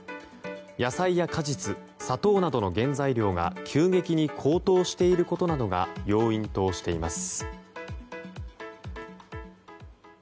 野菜や果実、砂糖などの原材料が急激に高騰していることなどが要因としています。